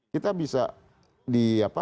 kita bisa di apa